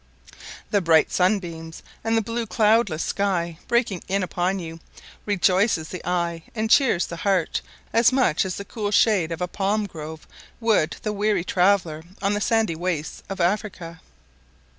The bright sunbeams and the blue and cloudless sky breaking in upon you, rejoices the eye and cheers the heart as much as the cool shade of a palm grove would the weary traveller on the sandy wastes of Africa.